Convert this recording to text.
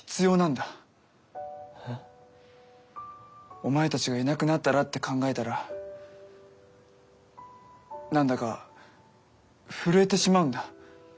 お前たちがいなくなったらって考えたら何だか震えてしまうんだ。